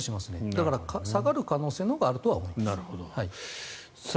だから、下がる可能性のほうがあると思います。